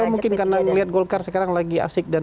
mungkin karena melihat golkar sekarang lagi asik dan